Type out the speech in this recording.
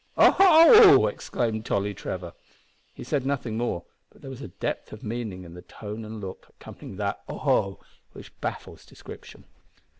"O ho!" exclaimed Tolly Trevor. He said nothing more, but there was a depth of meaning in the tone and look accompanying that "O ho!" which baffles description.